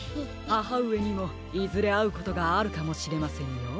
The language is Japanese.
ははうえにもいずれあうことがあるかもしれませんよ。